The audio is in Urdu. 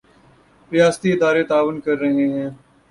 ریاستی ادارے تعاون کر رہے ہیں۔